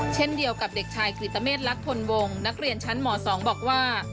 เช่นเดียวกับเด็กชายกริตเมษลักพลวงนักเรียนชั้นหมอ๒บอกว่า